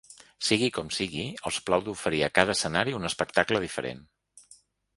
Sigui com sigui, els plau d’oferir a cada escenari un espectacle diferent.